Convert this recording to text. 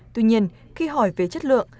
tuy nhiên khi hỏi về chất lượng